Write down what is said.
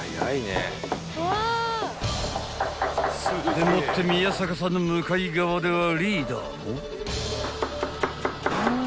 でもって宮坂さんの向かい側ではリーダーも］